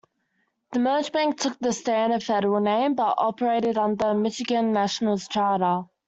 The merged bank took the Standard Federal name, but operated under Michigan National's charter.